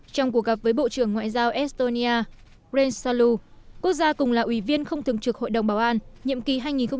trong cuộc gặp với bộ trưởng ngoại giao estonia green salou quốc gia cùng là ủy viên không thường trực hội đồng bảo an nhiệm kỳ hai nghìn hai mươi hai nghìn hai mươi một